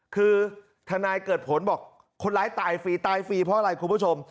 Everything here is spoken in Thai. คือทนายเกิดผลบอกคนร้ายตายฟรีตายฟรีเพราะอะไรคุณผู้ชม